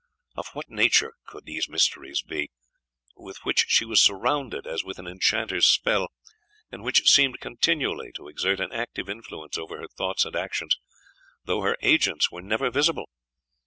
Of what nature could those mysteries be, with which she was surrounded as with an enchanter's spell, and which seemed continually to exert an active influence over her thoughts and actions, though their agents were never visible?